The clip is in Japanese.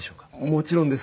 もちろんです。